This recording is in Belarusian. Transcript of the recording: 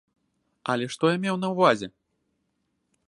Але што я меў на ўвазе?